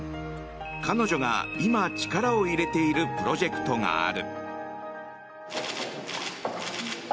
彼女が今、力を入れているプロジェクトがある。